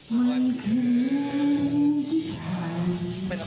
มันยิ่งไกลเสียงหัวใจ